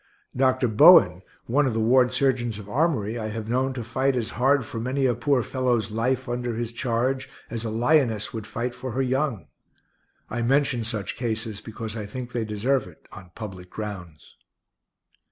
Dr. Bowen, one of the ward surgeons of Armory, I have known to fight as hard for many a poor fellow's life under his charge as a lioness would fight for her young. I mention such cases because I think they deserve it, on public grounds.